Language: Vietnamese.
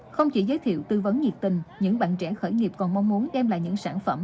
không chỉ giới thiệu tư vấn nhiệt tình những bạn trẻ khởi nghiệp còn mong muốn đem lại những sản phẩm